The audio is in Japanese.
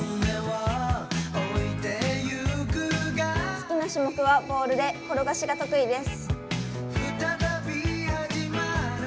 好きな種目はボールで、転がしが得意です。